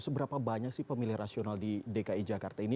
seberapa banyak sih pemilih rasional di dki jakarta ini